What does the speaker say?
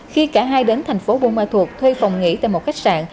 khi cả hai đến thành phố bông ma thuộc thuê phòng nghỉ tại một khách sạn